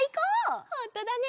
ほんとだね！